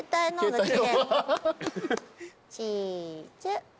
チーズ。